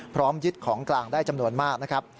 พร้อมยึดของกลางได้จำนวนมากนะครับ